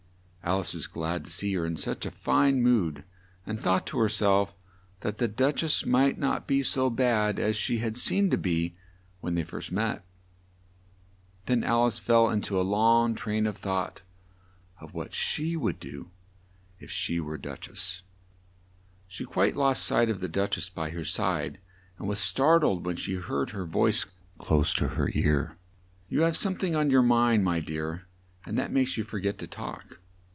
Al ice was glad to see her in such a fine mood, and thought to her self that the Duch ess might not be so bad as she had seemed to be when they first met. Then Al ice fell in to a long train of thought as to what she would do if she were a Duch ess. She quite lost sight of the Duch ess by her side, and was star tled when she heard her voice close to her ear. "You have some thing on your mind, my dear, and that makes you for get to talk.